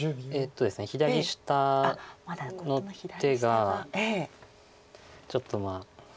左下の手がちょっとまあ。